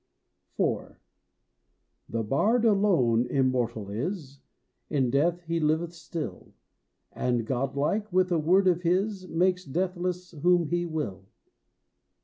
IV. The bard alone immortal is; In death he liveth still, And, godlike, with a word of his Makes deathless whom he will.